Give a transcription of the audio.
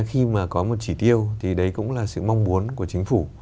khi mà có một chỉ tiêu thì đấy cũng là sự mong muốn của chính phủ